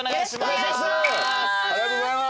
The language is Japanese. ５年ぶりありがとうございます。